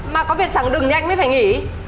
mà có việc chẳng đừng thì anh mới phải nghỉ